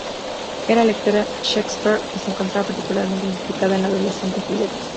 Era lectora de Shakespeare y se encontraba particularmente identificada con la adolescente Julieta.